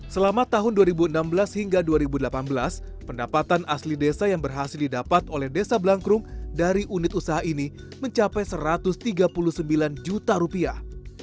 selama tahun dua ribu enam belas hingga dua ribu delapan belas pendapatan asli desa yang berhasil didapat oleh desa blangkrum dari unit usaha ini mencapai satu ratus tiga puluh sembilan juta rupiah